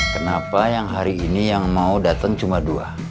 kenapa yang hari ini yang mau datang cuma dua